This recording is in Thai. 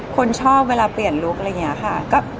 คนชอบเวลาเปลี่ยนลุคอะไรอย่างนี้ค่ะ